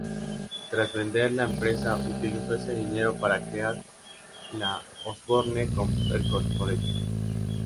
Tras vender la empresa, utilizó ese dinero para crear la Osborne Computer Corporation.